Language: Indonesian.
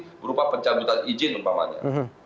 itu berupa pencabutan izin umpamanya